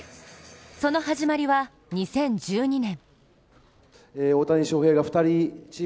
その始まりは、２０１２年。